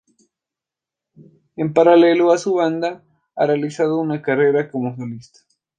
En paralelo a su banda, ha realizado una carrera como solista.